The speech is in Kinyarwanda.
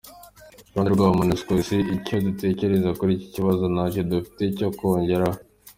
Ku ruhande rwabo Monusco izi icyo dutekereza kuri iki kibazo, ntacyo dufite cyo kongeraho.